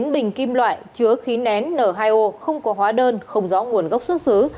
một mươi bình kim loại chứa khí nén n hai o không có hóa đơn không rõ nguồn gốc xuất xứ